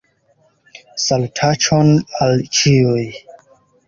Salutaĉon al ĉiuj